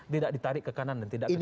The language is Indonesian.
tidak ditarik ke kanan dan tidak ke kiri